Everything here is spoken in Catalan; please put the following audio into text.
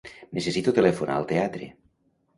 Necessito telefonar al teatre.